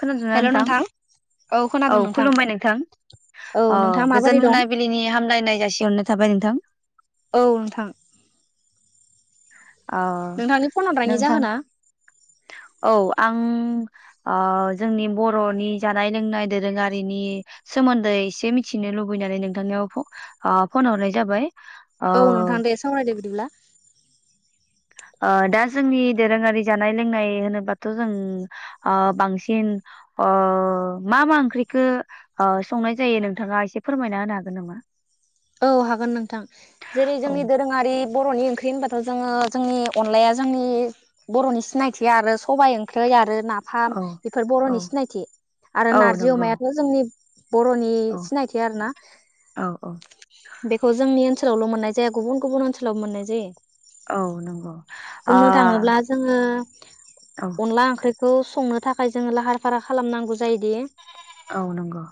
खोनादोंना नोंथां? औ खुलुमबाय नोंथां औ ओ नोंथाङा माबोरै गोजोन दं? मोनाबिलिनि हामलायनाय जासिहरनाय थाबाय नोंथां। औ नोंथां। औ नोंथांनि फन हरनायनि नोंथां जाहोना औ आं ओ जोंनि बर'नि जानाय लोंनाय दोरोङारिनि सोमोन्दै एसे मिथिनो लुबैनानै नोंथांनियाव फ ओ फन हरनाय जाबाय। ओ औ नोंथां दे सावरायदो बिदिब्ला दा जोंनि दोरोङारि जानाय लोंनाय होनोबाथ' जों बांसिन अ मा -मा ओंख्रिखौ ओ संनाय जायो नोंथाङा एसे फोरमायना होनो हागोन नामा औ हागोन नोंथां जेरै औ जोंनि दोरोङारि बर'नि ओंख्रि होनबाथ' जोङो जोंनि अनलाया जोंनि बर'नि सिनायथि आरो सबाइ ओंख्रि आरो नाफाम औ बेफोर औ बर'नि सिनायथि आरो औ नारजि नंगौ अमायाथ जोंनि बर'नि औ सिनायथि आरो ना? औ औ बेखौ जोंनि ओनसोलावल' मोन्नाय जाया गुबुन -गुबुन ओनसोलाव मोननाय जायो औ नंगौ ओ बुंनो थाङोब्ला जोङो औ अनला ओंख्रै खौ संनो थाखाय जोङो लाहार फाहार खालामनांगौ जायो औ नंगौ।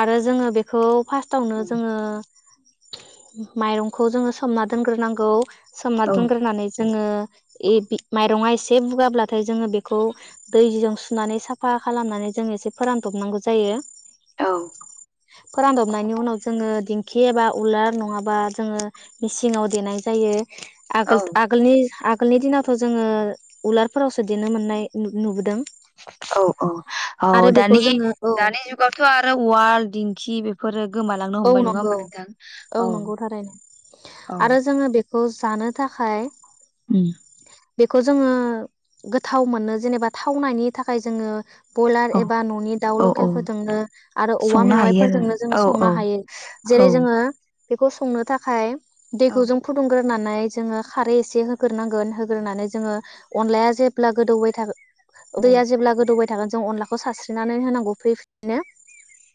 आरो जोङो बेखौ फास्टावनो उम जोङो। माइरंखौ जोङो सोमना दोनग्रोनांगौ सोमना औ दोनग्रोनानै जोङो [unintelligible] माइरंङा एसे बुगाब्लाथाय जोङो बेखौ दैजों सुनानै साफा खालामनानै जोङो एसे फोरानदबनांगौ जायो औ फोरानदबनायनि उनाव जोङो दिं खि एबा उलार नङाबा जोङो मेचिनाव देनाय जायो। औ आगोल आगोलनि आ आगोलनि दिनावथ' जोङो उलारफोरावसो देनो मोननाय नु-नुबोदों। औ औ औ दानि जोङो औ दानि जुगावथ' आरो उवाल दिं खि बेफोरो गोमालांनो औ हमबाय नङा नंगौ होमबा नोंथां औ नंगौ थारैनो औ आरो जोङो बेखौ जानो थाखाय उम बेखौ जोङो गोथाव मोनो जेनेबा थावनायनि थाखाय जोङो बयलार औ एबा न'नि दाउ औ औ लकेल फोरजोंनो आरो औवा संनो हायो मेवाइफोरजोंनो जोङो आरो औ संना हायो औ जेरै जोङो बेखौ संनो थाखाय औ दैखौ जों फुदुं ग्रो होननानै जोङो खारै एसे होग्रोनांगोन होग्रोनानै जोङो अनलाया जेब्ला गोदौबाय थागोन औ दैया जेब्ला गोदौबाय थागोन जों अनलाखौ सारस्रिनानै होनांगौ फ्रि फ्रिनो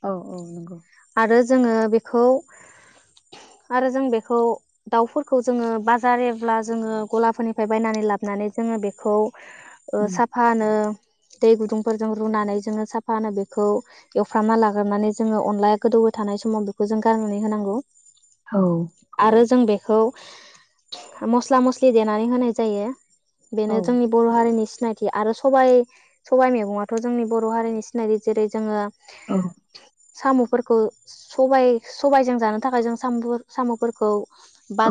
औ -औ नंगौ आरो जोङो बेखौ आरो जों बेखौ दाउफोरखौ जोङो बाजारब्ला जोङो गलाफोरनिफ्राय बायनानै लाबोनानै जोङो बेखौ ओ उम साफानो दै गुदुंफोरजों रुनानै जोङो साफानो बेखौ एवफ्रामना लाग्रोनानै जोङो अनलाया गोदौबाय थानाय समाव बेखौ जों गारनानै होनांगौ औ आरो जों बे खौ मस्ला मस्लि देनानै होनाय जायो औ बेनो जोंनि बर' हारिनि सि सिनायथि आरो सबाइ सबाइ मैगङाथ'जोंनि बर'हारिनि सिनायथि जेरै जोङो औ। सामु फोरखौ स सबायजों जानो थाखाय जों साम सामफोरखौ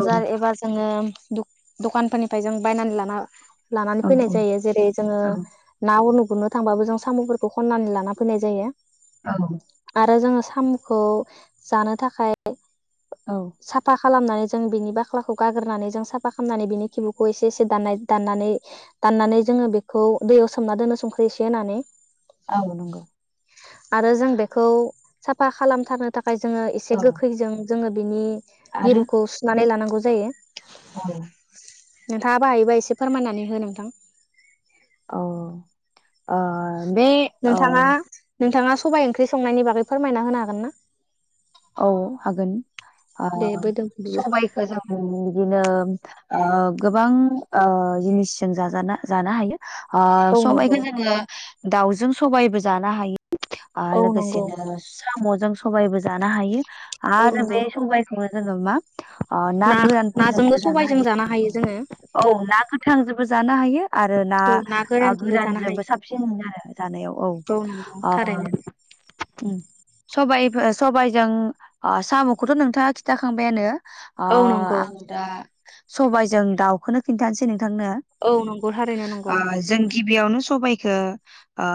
औ एबार जोंङो द दखानफोरनिफ्राय जों बायनानै लाना लानानै फैनाय जायो जेरै जोंङो औ ना गुरनो थांबाबो जों साम'फोरखौ खन्नानै लाना फैनाय जायो। औ। आरो जोंङो सामुखौ जानो थाखाय औ साफा। खालामनानै जों बिनि बाख्लाखौ गागोरनानै जों साफा बिनि खिबुखौ एसे एसे दाननाय दाननानै दाननानै जोङो बेखौ दैयाव सोमना दोननो संख्रि एसे होनानै। औ नंगौ आरो जों बेखौ साफा खालामथारनो थाखा फाय जोङो एसे औ गोखैजों जोङो बिनि मिरुखौ सुनानै लानांगौ नांगौ जायो औ। नोंथाङा बाहायोबा एसे फोरमायनानै हो नोंथां औ। ओ बे ओ नोंथाङा नोंथाङा सबाइ ओंख्रि संनायनि बागै फोरमायना होनो हागोन ना? औ हागोन ओ दे बै दोनथ'दिब्ला सबायखौ जों बिदिनो ओ गोबां ओ जिनिस जों जाजा जानो हायो अ औ सबायखो नंगौ जोङो दाउजों सबायबो जानो हायो आरो औ नंगौ लोगोसेनो साम'जों सबायबो जानो हायो औ आरो बे नंगौ सबायखौ जोंङो मा अ ना गोरानफोरजोंनो जानो हायो औ ना गोथां जों बो जानो हायो। आरो ना औ आ जानो गोरानजोंबो हायो साबसिन मोनो आरो जानायाव औओ औ नंगौ थारैनो ओम सबाइ। सबायाइजों ओ साम'खौथ' नोंथाङा खिथाखांबायानो। अ औ नंगौ आं दा सबाय जों दाउखौनो खिन्थानोसै नों औ नंगौ थारैनो नंगौ। जों गिबियावनो सबाइखौ ओ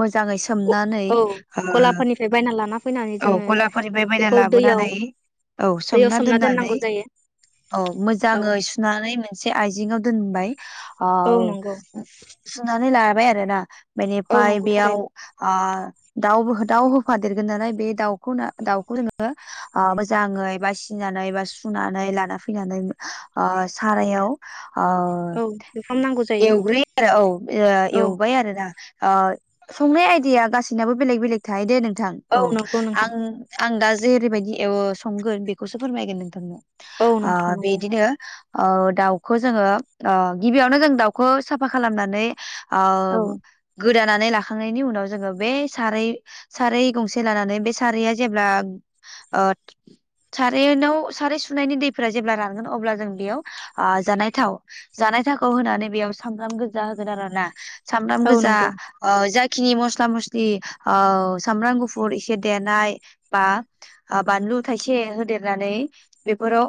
मोजाङै सोमनानै औ ओ। गलाफोरनिफ्राय बायना लाना फैनानै औ जोङो गलाफोरनिफ्राय बायना बेखौ दैयाव लाबोनानै औ दैयाव सोमना दोननानै दोननांगौ जायो औ औ मोजाङै सुनानै मोनसे आइजे ङाव दोनबाय। औ ओ नंगौ सुनानै ला बाय आरो ना औ बेनिफ्राय नंगौ बेयाव थारैनो ओ दाउ दाउ होफादेर [unintelligible] नालाय बे दाउखौनो दाउखौ जोङो ओ मोजाङै बासिनानै बा सुनानै लाना फैनानै ओ सारायाव ओ औ जुखाम नांगौ जायो एवग्रोयो आरो औ ओ औ एवबाय आरोना। ओ संनाय आयदिया आ गासिनाबो बेलेग बेलेग थायो दे नोंथां। औ नंगौ नोंथां आं आं दा जरैब बायदि एवो संगोन बेखौसो फोरमायगोन नोंथांनो। औ आ नोंथां नंगौ बिदिनो ओ दाउखौ जोङो ओ गिबियावनो जों दाउखौ साफा खालामनानै ओ। औ गोदानानै लाखांनायनि उनाव जोङो बे साराय साराय गंसे जे लानानै बे साराया जेब्ला ओ सारायनाव साराय सुनायनि दैफोरा जेब्ला रानगोन अब्ला जों बेयाव ओ जानाय थाव जानाय थावखौ होनानै बेयाव सामब्राम गोजा होगोन आरोना। साम्राम औ गोजा नंगौ ओ जा खि मस्ला-मस्लि औ सामब्राम गु फुर एसे देनाय बा ओ बानलु थाइसे होदेरनानै बेफोराव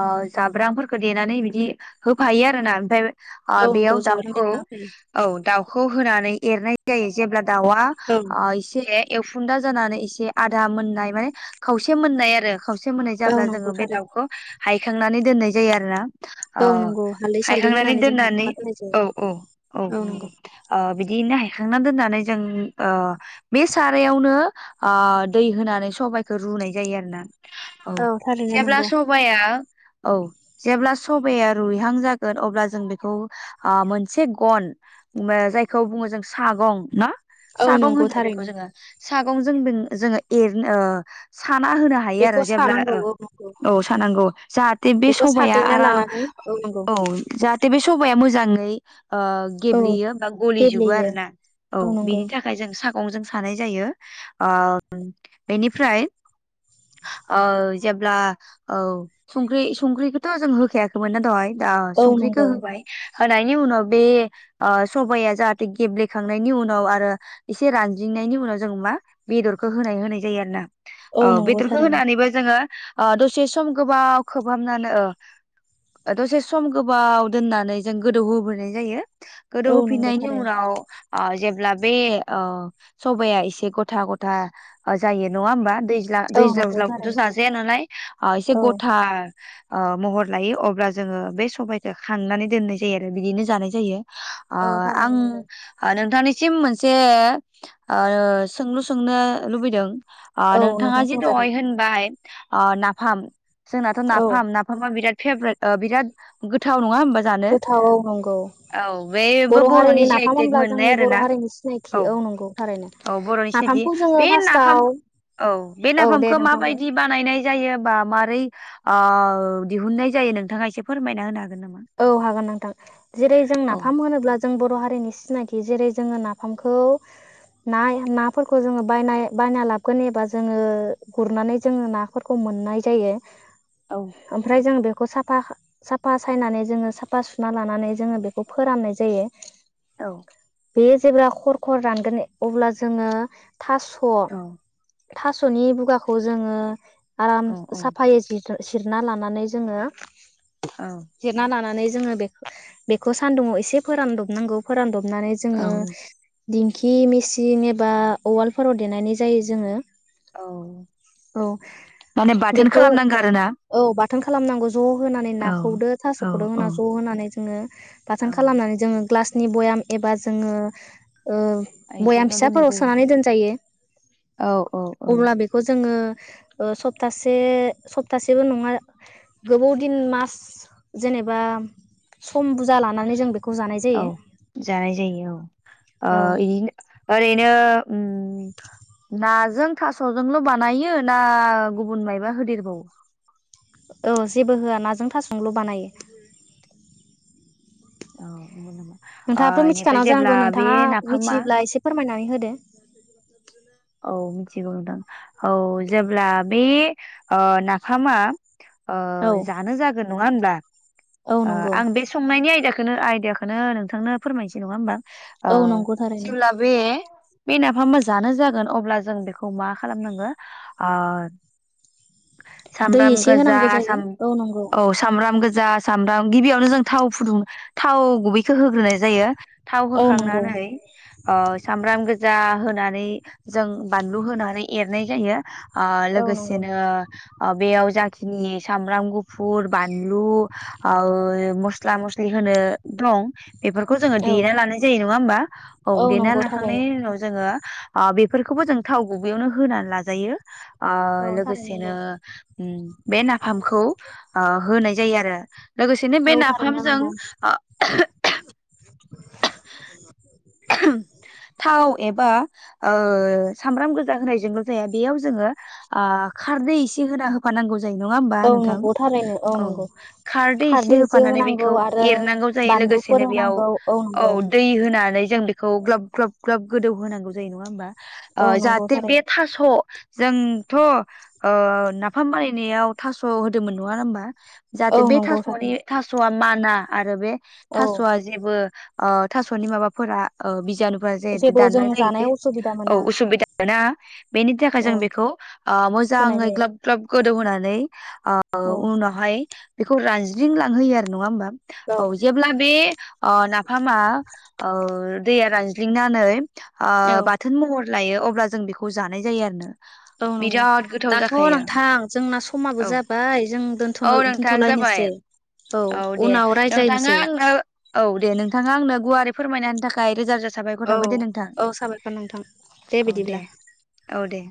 ओ जाब्रांफोरखौ देनानै बिदि होफायो आरोना ओमफ्राय ओ औ नंगौ बेयाव जाब्रां दाउखौ देना होफायो औ दाउ खौ होनानै एरनाय जायो, जेब्ला दाउआ औ ओ एसे ए-एवखुन्दा जानानै एसे आदा मोननाय माने खावसे मोननाय आरो। खावसे मोननाय औ जाब्ला नंगौ जोङो बे थारै दाउखौ हायखांनानै दोननाय जायो आरो ना? ओ औ नंगौ हालदै सालदै हायखांनानै होनानै जों दोननानै हाथुमना दोननाय जायो औ औ औ नंगौ ओ बिदि बिनो हायखांनानै दोननानै जों ओ बे सारायावनो ओ दै होनानै सबाइखौ रुनाय जायो आरो ना। औ थारैनो जेब्ला नंगौ सबाया औ जेब्ला सबाया रुइहां जागोन अब्ला जों बेखौ आ मोनसे गन जायखौ बुङो जों सागं ना औ सागं नंगौ होनो थारै। बेखौ जोङो सागंजों [unintelligible] जोङो एर नो साना होनो हायो आरो बेखौ जेब्ला सानांगौ औ नंगौ ओ औ सानांगौ जाहाथे बे बेखौ सबाया साग्लिना आराम लानानै नंगौ औ जाहाथे बे सबाया मोजां [unintelligible] ओ औ गेब्लेयो बा गलिजोबो गेब्लेयो आरो ना औ बिनि थाखाय जों सा गंजों सानाय जायो ओ बेनिफ्राय ओ जेब्ला औ संख्रि संख्रिखौथ' जों होखाया खैमोनना दहाय दा औ संख्रिखो नंगौ होबाय । होनायनि उनाव बे ओ सबाया जाहाथे गेब्लेखांनायनि उनाव आरो एसे रानज्रिंनायनि उनाव जों मा बेदरखौ होनाय होनाय जायो आरो ना। औ नंगौ बेदरखौ थारैनो होनानैबो जोङो ओ दसे सम गोबाव खोबहाबनानै ओ ओ दसे सम गोबाव दोननानै जों गोदौ होबावनाय जायो। गोदौ औ नंगौ होफिननायनि थारैनो उनाव आ जेब्ला बे अ सबाया एसे गथा गथा ओ जायो नङा होमबा दै औ दैज्लाव नंगौ ज्लावखौथ' थारैनो जाजाया नालाय एसे औ गथा ओ महर लायो अब्ला जोङो बे सबाइखो खांनानै दोननाय जायो आरो बिदिनो जानाय जायो। अ औ आं थारैनो नंगौ ओ नोंथांनि [unintelligible] जे ओ सोंलु सोंनो लुबैदों अ औ नोंथाङा नोंथां जे सोंजागोन दहाय होनबाय अ नाफाम जोंनाथ' औ नाफाम नाफामा बिराद फेभ्रेट ओ बिराद गोथाव नङा होम गोथाव नंगौ बेबो बर' बर'नि हारिनि जि आइ नाफाम टेक होनब्ला मोननाय जोंनि आरोना बर' हारिनि सि औ औ बर'नि सिनायथि नाफामखौ जोङो बे नाफाम फार्स्टआव औ बे औ दे नाफामखौ नोंथां बुं माबायदि बानायनाय जायोबा मारै ओ दिहुननाय जायो नोंथाङा एसे फोरमायना होनो हागोन। नामा? औ हागोन नोंथां जेरै जों औ नाफाम होनोब्ला जों बर' बर' हारिनि सिनायथि जेरै जोङो नाफामखौ नाय नाफोरखौ जोङो बायनाय बायना लाबगोन एबा जोङो गुरनानै जोङो नाफोरखौ मोननाय जायो। औ ओमफ्राय जों बे ा साफा [unintelligible] फायनानै जोंङो साफा सुना लानानै जोंङो बेखौ फोराननाय जायो। औ बे जेब्ला खर खर रानगोन अब्ला जोङो थास' औ थास'नि बुगाखौ जोङो आराम औ साफायै जि सेबना लानानै जोङो औ जिरना लानानै जोङो बे बेखौ सान्दुुङाव एसे फोरानदबनांगौ फोरानदब माने जोङो औ दिंखि मेसिन एबा उवालफोराव देनानै जायो जोङो। औ औ माने बाथोन बेखौ खालामनांगौ आरोना? औ बाथोन खालामनांगौ ज' होनानै नाखौ दो औ थास'खदो होना औ ज' होनानै जोङो बाथोन औ खालामनानै जोङो ग्लासनि बयाम एबा जोङो ओ बयाम आइजेंआव दोननाय फिसाफोराव जायो सोनानै दोनजायो । औ औ औ अब्ला बेखौ जोङो ओ सप्तासे सप्तासेबो नङा गोबाव दिन मास जेनेबा सम बुजा लानानै जों बे औ जानाय जायो औ ओ बिदिनो ओरैनो ओम नाजों थास'जोंल' बानायो ना गुबुन मायबा होदेरबावो? औ जेबो होआ नाजों थास'जोंल' बानायो। औ नंगौ नामा? ओ नोंथाङाथ' इनिफ्राय मिथिखानांगौ जेब्ला जानांगौ बे नोंथाङा नाफामा मिथियोब्ला एसे फोरमायनानै होदो औ मिथिगौ नोंथां औ जेब्ला बे ओ नाफामा ओ औ जानो जागोन नङा होमबा? औ आ नंगौ आं बे संनायनि आयदा खौनो आयदिया खौनो नोंथांनो फोरमायनोसै नंङा होमबा? आ औ नंगौ थारैनो जेब्ला बे बे नाफामा जानो जागोन अब्ला जों बेखौ मा खालामनांगौ आ दै सामब्राम एसे गोजा होनांगौ जायो साम औ नंगौ औ सामब्राम गोजा जास सामब्राम गिबियावनो जों थाव फुदुं थाव गुबैखौ होग्रोनाय जायो। थाव औ नंगौ होखांनानै सामब्राम गोजा होन। होनानै जों बानलु होनानै एरनाय जायो। आ औ नंगौ लोगोसेनो ओ बेयाव जाखिनि सामब्राम गुफुर बानलु आ मस्ला मस्लि होनो दं। बेफोरखौ जोङो औ देना लानाय जायो नङा होमबा औ देना नंगौ थारैनो लाखांनायनि उनाव जोङो आ बेफोरखौबो जों थाव गुबैयावनो होना लाजायो। आ औ थारैनो लोगोसेनो नंगौ बे नाफामखौ आ होनाय दे आरो। लोगोसेनो बे औ थारैनो नाफामजों नंगौ ओ [inaudible] थाव एबा सामब्राम गोजा होनायजोंल' जाया बेयाव जोङो खारदै एसे होना होफानांगौ। जायो नङा होनबा औ नोंथां नंगौ थारैनो औ नंगौ खारदै एसे होफानानै बेखौ एरनांगौ जायो बानलुफोर लोगोसेनो बेयाव होनांगौ औ नंगौ दै होनानै जों बेखौ ग्लाब ग्लाब ग्लाब गोदौ होनांगौ जायो नङा औ होमबा। नंगौ जाहाथे बे थारैनो थास'। जोंथ' नाफाम बानायनायाव थास' होदोंमोन नङा होमबा। जाहाथे औ बे नंगौ थास'नि थारैनो थास'आ मान ना आरो बे। औ थास'आ जेबो थास'नि माबा। फोरा बिजानु फोरा जाहाथे जेबो जों दानलाय लायो जानायाव दे उसुबिदा मोना औ असुबिदा ना। [inaudible] बेनि थाखाय जों औ बेखौ होनाय मोजाङै जायो ग्लाब ग्लाब गोदौ होनानै आ औ उनावहाय बेखौ रानज्रिं लांहोयो आरो नङा होमबा। औ जेब्ला बे ओ नाफामा औ दैया रानज्लिंनानै आ औ बाथोन महर लायो अब्ला जों बेखौ जानाय जायो आरोनो। औ नंगौ दाथ' नोंथां जोंना समाबो औ जाबाय जों दोनथ' औ नोंथां जाबाय दोन्थ'लायनोसै औ दे उनाव नोंथाङा रायज्लायनोसै [unintelligible] फोरमायनाननि थाखाय रोजा रोजा साबायखर औ थाबाय दे नोंथां औ साबायखर नोंथां दे बिदिब्ला औ दे